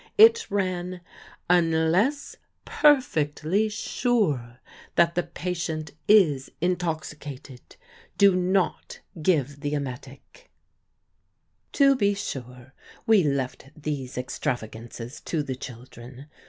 It ran: "Unless perfectly sure that the patient is intoxicated, do not give the emetic." To be sure, we left these extravagances to the children.